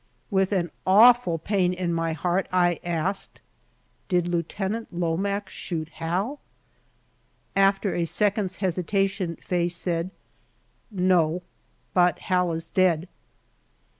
With an awful pain in my heart I asked, "Did Lieutenant Lomax shoot Hal?" After a second's hesitation Faye said "No; but Hal is dead!"